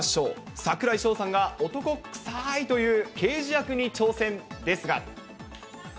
櫻井翔さんが男くさいという刑事役に挑戦ですが。